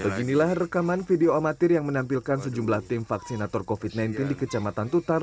beginilah rekaman video amatir yang menampilkan sejumlah tim vaksinator covid sembilan belas di kecamatan tutar